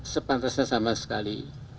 sepantasnya sama sekali